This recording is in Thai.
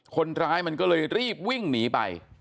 คนร้ายมันก็เลยรีบวิ่งหนีไป